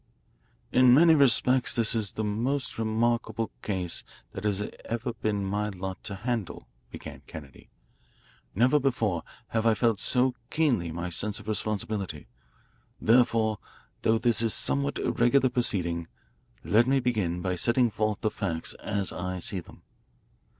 "In many respects this is the most remarkable case that it has ever been my lot to handle," began Kennedy. "Never before have I felt so keenly my sense of responsibility. Therefore, though this is a somewhat irregular proceeding, let me begin by setting forth the facts as I see them.